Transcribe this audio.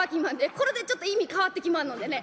これでちょっと意味変わってきまんのでね。